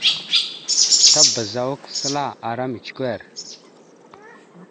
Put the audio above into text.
Tabaz awak səla ara micəkœr.